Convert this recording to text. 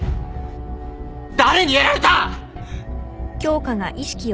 誰にやられた！？